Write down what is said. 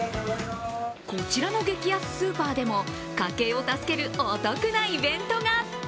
こちらの激安スーパーでも、家計を助けるお得なイベントが。